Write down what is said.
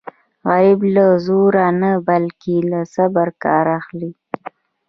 غریب له زوره نه بلکې له صبره کار اخلي